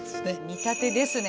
見立てですね。